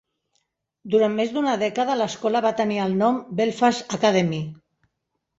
Durant més d"una dècada l"escola va tenir el nom "Belfast Academy".